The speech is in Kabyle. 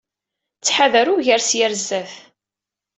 Ttḥadar ugar seg-a ar sdat.